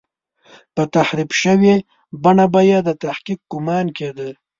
پر تحریف شوې بڼه به یې د حقیقت ګومان کېده.